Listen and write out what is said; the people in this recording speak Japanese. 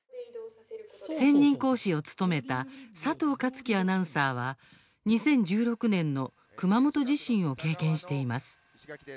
専任講師を務めた佐藤克樹アナウンサーは２０１６年の熊本地震を経験しています。